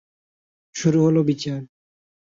শুরু হল বিচার।